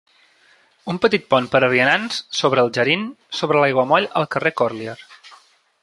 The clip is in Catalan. Un petit pont per a vianants sobre el Jarine sobre l'aiguamoll al carrer Corlier.